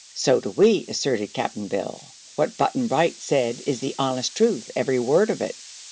"So do we," asserted Cap'n Bill. "What Button Bright said is the honest truth every word of it."